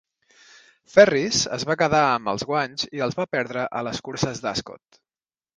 Ferris es va quedar amb els guanys i els va perdre a les curses d'Ascot.